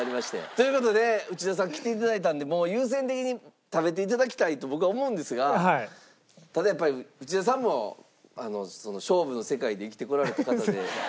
という事で内田さん来て頂いたんでもう優先的に食べて頂きたいと僕は思うんですがただやっぱり内田さんも勝負の世界で生きて来られた方で。